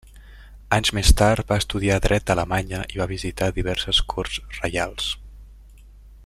Anys més tard va estudiar dret a Alemanya i va visitar diverses corts reials.